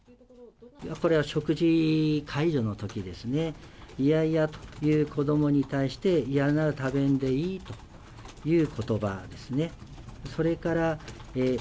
これは食事介助のときですね、嫌々という子どもに対して、嫌なら食べんでいいということばですね。